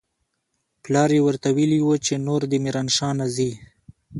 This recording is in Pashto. پلار يې ورته ويلي و چې نور دې ميرانشاه نه ځي.